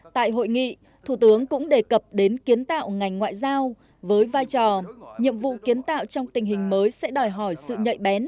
tại hội nghị thủ tướng cũng đề cập đến kiến tạo ngành ngoại giao với vai trò nhiệm vụ kiến tạo trong tình hình mới sẽ đòi hỏi sự nhạy bén